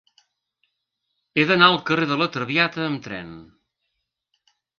He d'anar al carrer de La Traviata amb tren.